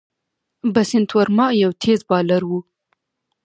بسنت ورما یو تېز بالر وو.